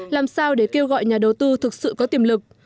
làm sao để kêu gọi nhà đầu tư thực sự có tiềm lực